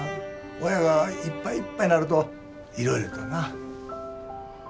親がいっぱいいっぱいなるといろいろとな。